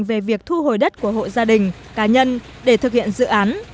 về việc thu hồi đất của hộ gia đình cá nhân để thực hiện dự án